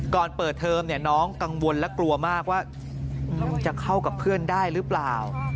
ก่อนเปิดเทอมน้องกังวลและกลัวมากว่าจะเข้ากับเพื่อนได้หรือเปล่า